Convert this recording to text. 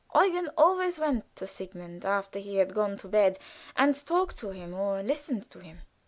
Eugen always went to Sigmund after he had gone to bed, and talked to him or listened to him.